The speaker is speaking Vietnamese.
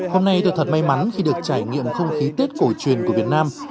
hôm nay tôi thật may mắn khi được trải nghiệm không khí tết cổ truyền của việt nam